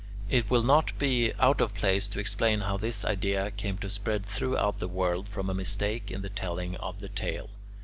It will not be out of place to explain how this idea came to spread throughout the world from a mistake in the telling of the tale.